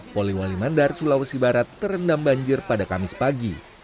poliwali mandar sulawesi barat terendam banjir pada kamis pagi